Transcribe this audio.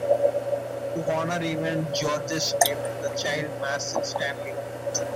To honour the event, Georges named the child Marcel Stanley.